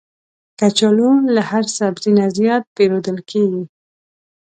کچالو له هر سبزي نه زیات پېرودل کېږي